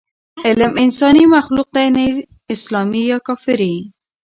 علم انساني مخلوق دی، نه اسلامي یا کافري.